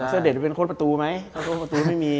เสื้อเด็ดเป็นโคตรประตูไหม